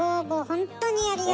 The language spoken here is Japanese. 本当にありがとうね。